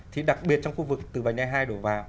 thì đặc biệt trong khu vực từ vành e hai đổ vào